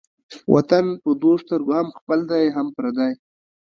وطن په دوو سترگو هم خپل دى هم پردى.